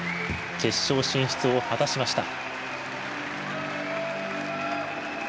決勝進出を果たしました。